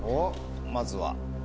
まずは。